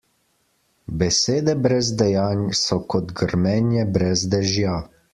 Besede brez dejanj so kot grmenje brez dežja.